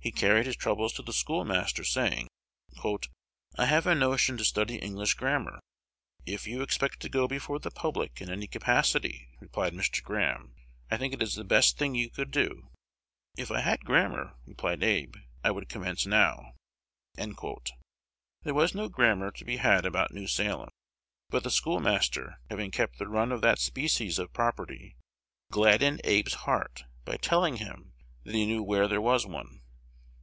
He carried his troubles to the schoolmaster, saying, "I have a notion to study English grammar." "If you expect to go before the public in any capacity," replied Mr. Graham, "I think it the best thing you can do." "If I had a grammar," replied Abe, "I would commence now." There was no grammar to be had about New Salem; but the schoolmaster, having kept the run of that species of property, gladdened Abe's heart by telling him that he knew where there was one.